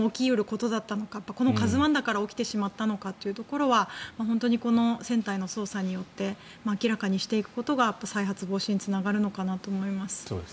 この「ＫＡＺＵ１」だったから起きてしまったのかは本当にこの船体の捜査によって明らかにしていくことが再発防止につながるのかなと思います。